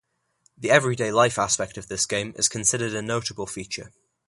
The everyday life aspect of this game is considered a notable feature.